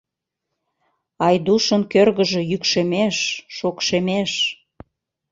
Айдушын кӧргыжӧ йӱкшемеш, шокшемеш...